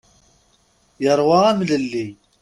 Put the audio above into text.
Yeṛwa amlelli.